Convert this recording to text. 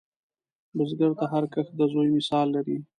بزګر ته هر کښت د زوی مثال لري